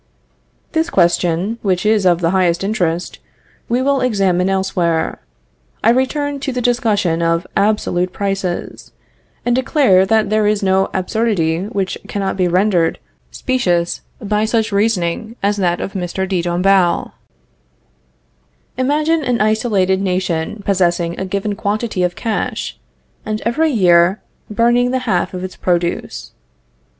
This question, which is of the highest interest, we will examine elsewhere. I return to the discussion of absolute prices, and declare that there is no absurdity which cannot be rendered specious by such reasoning as that of Mr. de Dombasle. Imagine an isolated nation possessing a given quantity of cash, and every year wantonly burning the half of its produce.